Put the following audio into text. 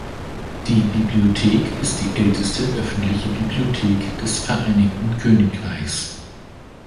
Die Bibliothek ist die älteste Öffentliche Bibliothek des Vereinigten Königreichs.